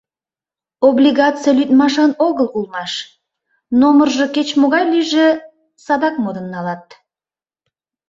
Облигаце лӱдмашан огыл улмаш; номыржо кеч-могай лийже, садак модын налат...